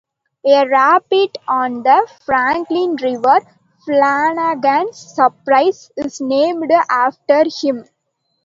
A rapid on the Franklin River, Flanagan's Surprise, is named after him.